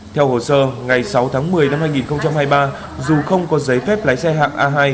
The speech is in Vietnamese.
theo hồ sơ ngày sáu tháng một mươi năm hai nghìn hai mươi ba dù không có giấy phép lái xe hạng a hai